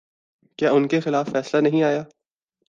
کیا ان کے خلاف فیصلہ نہیں آیا؟